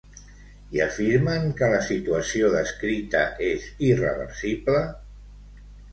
I afirmen que la situació descrita és irreversible?